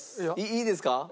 いいですか？